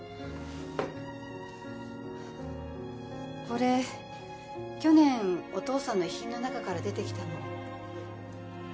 これ去年お父さんの遺品の中から出てきたの。